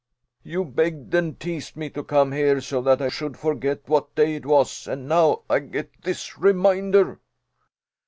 "You begged and teased me to come here so that I should forget what day it was, and now I get this reminder!"